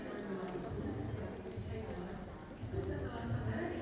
ketua serbuan yang